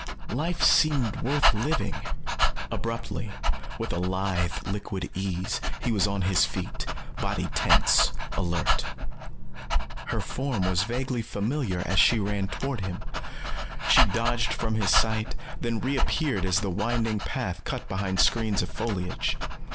Life seemed worth living. Abruptly, with a lithe liquid ease, he was on his feet, body tense, alert. Her form was vaguely familiar as she ran toward him. She dodged from his sight, then re appeared as the winding path cut behind screens of foliage.